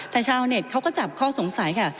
แต่ชาวเน็ตเขาก็จับข้อสงสัยค่ะ